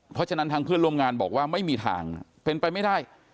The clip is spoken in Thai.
เพราะฉะนั้นทางเพื่อนร่วมงานบอกว่าไม่มีทางเป็นไปไม่ได้